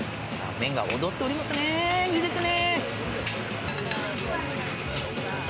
麺が躍っておりますね、いいですね。